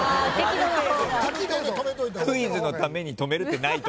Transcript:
クイズのために止めるってないと思う。